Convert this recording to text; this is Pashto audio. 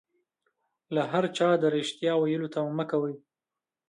له هر چا د ريښتيا ويلو تمه مکوئ